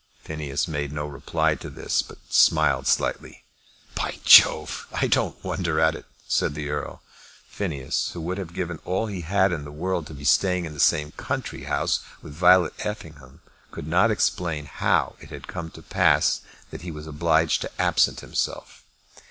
Phineas made no reply to this, but smiled slightly. "By Jove, I don't wonder at it," said the Earl. Phineas, who would have given all he had in the world to be staying in the same country house with Violet Effingham, could not explain how it had come to pass that he was obliged to absent himself.